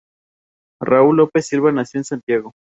Raúl López Silva nació en Santiago.